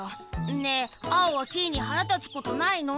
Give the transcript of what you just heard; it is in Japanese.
ねえアオはキイにはらたつことないの？